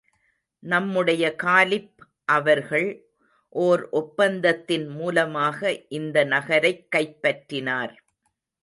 நம்முடைய காலிப் அவர்கள் ஓர் ஒப்பந்தத்தின் மூலமாக இந்த நகரைக் கைப்பற்றினார்.